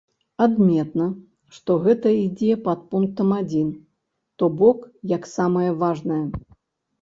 Адметна, што гэта ідзе пад пунктам адзін, то бок, як самае важнае.